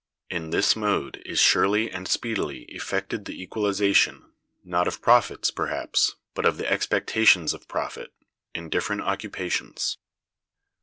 In this mode is surely and speedily effected the equalization, not of profits, perhaps, but of the expectations of profit, in different occupations.